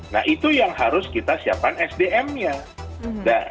nah itu yang harus kita siapkan sdm nya